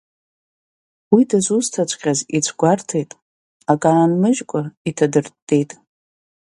Уидызусҭаҵәҟьаз ицәгәарҭеит, ак аанмыжькәа иҭыдрыттеит!